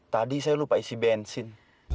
tadi saya lupa isi bensin